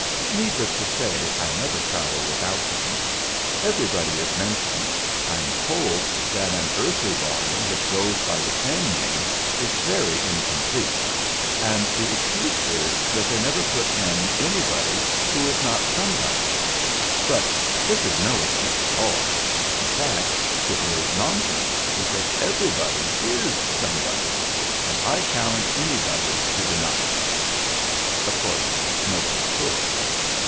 "Needless to say, I never travel without them. Everybody is mentioned. I am told that an earthly volume which goes by the same name is very incomplete ; and the excuse is that they never put in anybody who is not somebody. 156 THE FLINT HEART But this is no excuse at all; in fact, it is non sense, because everybody is somebody, and I challenge anybody to deny it." Of course nobody could.